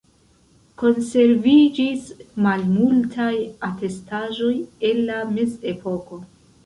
Konserviĝis malmultaj atestaĵoj el la mezepoko.